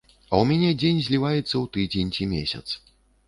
А ў мяне дзень зліваецца ў тыдзень ці месяц.